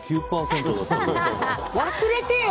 忘れてよ！